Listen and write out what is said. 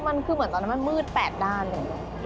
มันคือเหมือนตอนนั้นมันมืด๘ด้านเลย